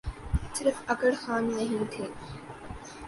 صرف اکڑ خان نہیں تھے۔